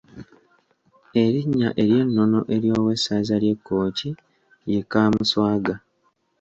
Erinnya ery’ennono ery’owessaza ly’e Kkooki ye Kaamuswaga.